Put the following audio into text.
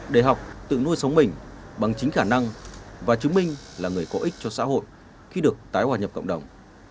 để học tự nuôi sống mình bằng chính khả năng và chứng minh là người có ích cho xã hội khi được tái hòa nhập cộng đồng